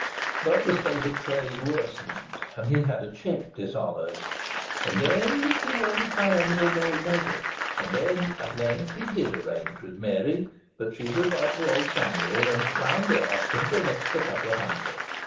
But the state of trade worsened, and he had a cheque dishonoured. And then he won the Triennial Gold Medal. And then at length he did arrange with Mary that she should write to old Samuel and roundly ask him for an extra couple of hundred.